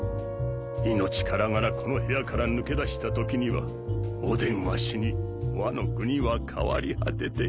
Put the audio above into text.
命からがらこの部屋から抜け出したときにはおでんは死にワノ国は変わり果てていた。